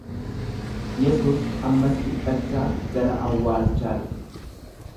Yesuus ammas dhiphachaa gara awwaalchaa dhufe.